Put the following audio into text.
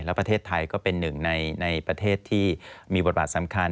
และประเทศไทยก็เป็นหนึ่งในประเทศที่มีบทบาทสำคัญ